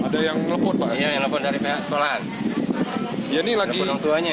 dia lagi mengikuti